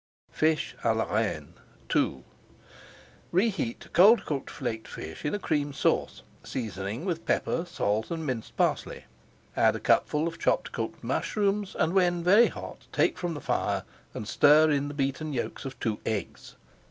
FISH À LA REINE II Reheat cold cooked flaked fish in a Cream Sauce, seasoning with pepper, salt, and minced parsley. Add a cupful of chopped cooked mushrooms, and when very hot, take from the fire and stir in the beaten yolks of two eggs.